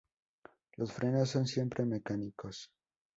Los frenos son siempre mecánicos.